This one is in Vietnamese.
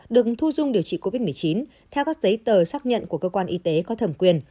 được thu dung điều trị covid một mươi chín theo các giấy tờ xác nhận của cơ quan y tế có thẩm quyền